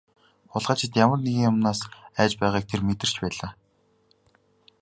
Хулгайлагчид ямар нэгэн юмнаас айж байгааг тэр мэдэрч байлаа.